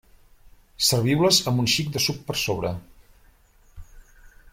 Serviu-les amb un xic de suc per sobre.